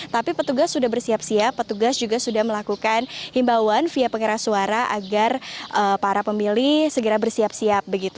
tapi petugas sudah bersiap siap petugas juga sudah melakukan himbauan via pengeras suara agar para pemilih segera bersiap siap